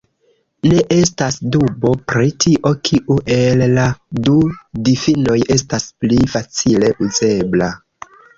Ne estas dubo, pri tio, kiu el la du difinoj estas pli facile uzebla...